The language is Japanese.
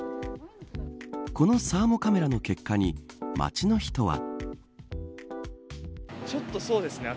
このサーモカメラの結果に街の人は。